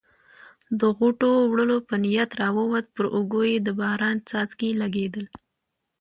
د غوټو وړلو په نیت راووت، پر اوږو یې د باران څاڅکي لګېدل.